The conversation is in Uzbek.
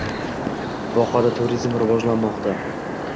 Vohada turizm rivojlanmoqda